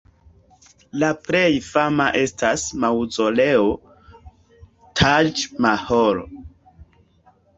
La plej fama estas maŭzoleo Taĝ-Mahalo.